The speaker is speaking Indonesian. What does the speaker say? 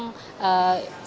bahwa ia telah memberikan uang